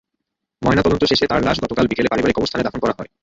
ময়নাতদন্ত শেষে তাঁর লাশ গতকাল বিকেলে পারিবারিক কবরস্থানে দাফন করা হয়।